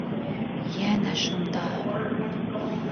Йәнә шунда...